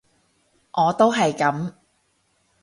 我都係噉